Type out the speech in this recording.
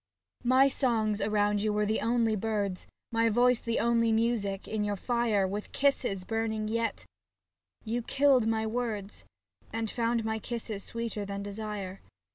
My songs around you were the only birds. My voice the only music, in your fire With kisses, burning yet, you killed my words And found my kisses sweeter than desire.